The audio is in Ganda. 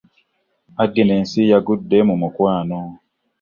Agness yagudde mu mukwano.